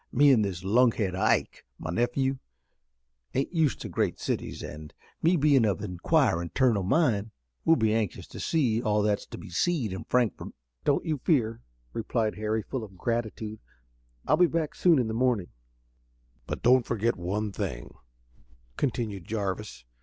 Me an' this lunkhead, Ike, my nephew, ain't used to great cities, an' me bein' of an inquirin' turn o' mind we'll be anxious to see all that's to be seed in Frankfort." "Don't you fear," replied Harry, full of gratitude, "I'll be back soon in the morning." "But don't furgit one thing," continued Jarvis.